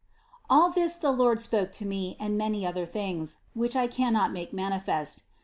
All this the Lord spoke to me and many other things, which I cannot make manifest.